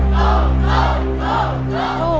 สู้นะครับ